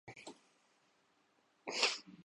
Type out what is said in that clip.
تو عوام امنڈ آتے ہیں۔